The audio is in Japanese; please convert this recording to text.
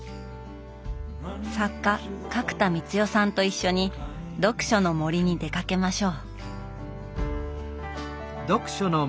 作家角田光代さんと一緒に読書の森に出かけましょう！